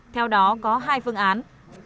theo đó có hai phương án